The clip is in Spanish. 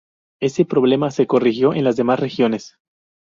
Ese problema se corrigió en las demás regiones.